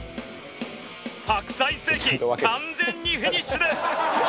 白菜ステーキ完全にフィニッシュです！